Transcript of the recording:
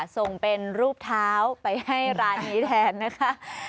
ส่งเป็นรูปเท้าไปให้ร้านนี้แทนนะคะ